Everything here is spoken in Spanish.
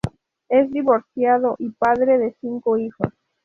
Es divorciado y padre de cinco hijos.